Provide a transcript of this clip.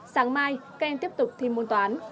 sáng mai các em tiếp tục thi môn toán